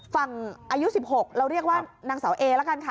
ฝั่งอายุ๑๖เราเรียกว่านางสาวเอละกันค่ะ